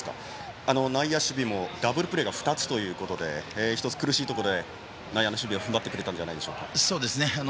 内野守備もダブルプレーが２つということで苦しいところで内野の守備が踏ん張ってくれたんじゃないんですか。